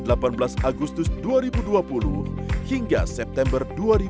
pada delapan belas agustus dua ribu dua puluh hingga september dua ribu dua puluh